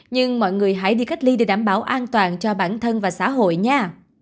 nhưng mọi người hãy đi cách ly để đảm bảo an toàn cho bản thân và xã hội nhà